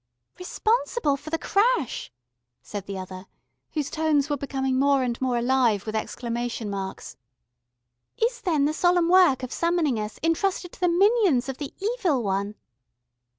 "Responsible for the crash!" said the other, whose tones were becoming more and more alive with exclamation marks. "Is then the solemn work of summoning us entrusted to the minions of the Evil One?"